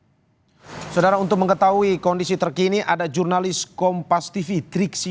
hai saudara untuk mengetahui kondisi terkini ada jurnalis kompas tv triksi